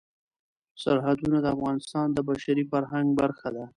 سرحدونه د افغانستان د بشري فرهنګ برخه ده.